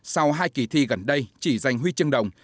sau hai kỳ thi gần đây chỉ giành huy chương đồng